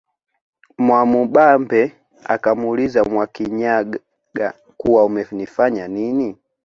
Mwamubambe akamuuliza Mwakinyaga kuwa umenifanya nini